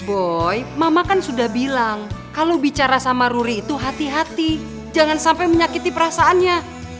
boy mama kan sudah bilang kalau bicara sama ruri itu hati hati jangan sampai menyakiti perasaannya